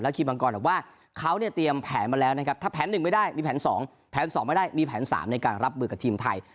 แล้วคิมพันกรออกว่าเขาเนี่ยเตรียมแผนมาแล้วนะครับถ้าแผนหนึ่งไม่ได้มีแผนสองแผนสองไม่ได้มีแผนสามในการรับเบือกกับทีมไทย